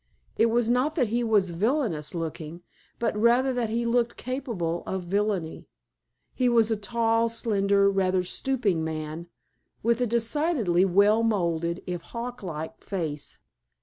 It was not that he was villainous looking, but rather that he looked capable of villainy. He was a tall, slender, rather stooping man, with a decidedly well molded, if hawk like, face.